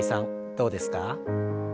どうですか？